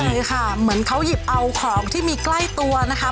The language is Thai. ใช่ค่ะเหมือนเขาหยิบเอาของที่มีใกล้ตัวนะคะ